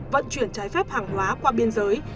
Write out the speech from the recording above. vận chuyển trái phép hàng hóa qua biên giới